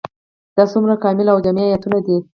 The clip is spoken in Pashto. دا څومره کامل او جامع آيتونه دي ؟